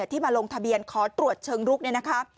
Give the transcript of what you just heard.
ที่มาลงทะเบียนขอตรวจเชิงลุกเนี่ยนะคะ